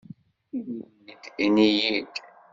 Ini-iyi-d, ini-iyi-d.